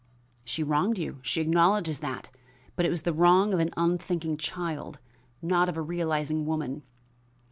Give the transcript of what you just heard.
"She wronged you she acknowledges that but it was the wrong of an unthinking child not of a realizing woman.